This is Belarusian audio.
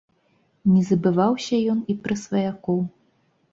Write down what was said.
Не забываўся ён і пра сваякоў.